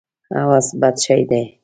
هوس بد شی دی.